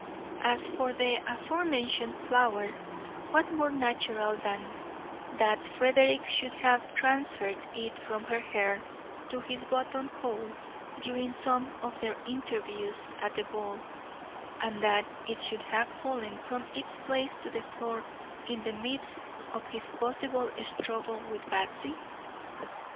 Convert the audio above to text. As for the aforementioned flower, what more natural than that Frederick should have transferred it from her hair to his buttonhole during some of their interviews at the ball, and that it should have fallen from its place to the floor in the midst of his possible struggle with Batsy?